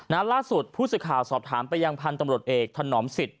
นะล่าสุดผู้สิทธิ์ข่าวสอบถามพยายามพันธ์ตำรวจเอกถนอมสิทธิ์